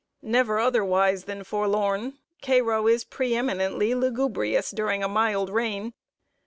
Never otherwise than forlorn, Cairo is pre eminently lugubrious during a mild rain.